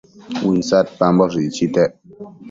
uinsadpamboshë icchitec